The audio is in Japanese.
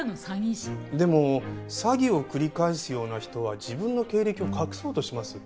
でも詐欺を繰り返すような人は自分の経歴を隠そうとします。